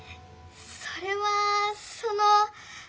それはその。